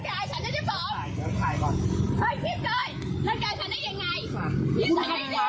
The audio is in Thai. คุณหลังกายผู้หญิง